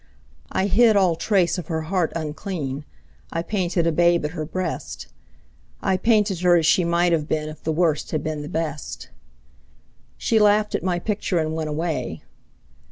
I hid all trace of her heart unclean; I painted a babe at her breast; I painted her as she might have been If the Worst had been the Best. She laughed at my picture and went away.